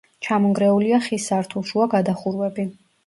ჩამონგრეულია ხის სართულშუა გადახურვები.